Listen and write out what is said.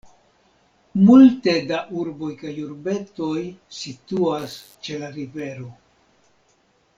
Multe da urboj kaj urbetoj situas ĉe la rivero.